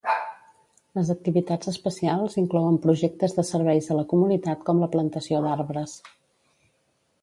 Les activitats especials inclouen projectes de serveis a la comunitat com la plantació d'arbres.